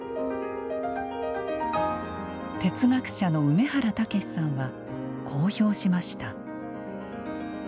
哲学者の梅原猛さんはこう評しました。